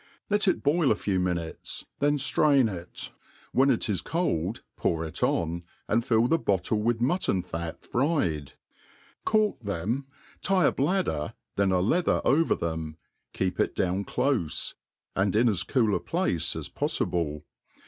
Let it boil a few minutes, then ftrain it, when it is cold pour it on, and fil! thef bottl^ with mutton fat fried ; Cork them^' tie a bladder, then a lea ther over them, keep it down clofe, and in as cool a place as poffible.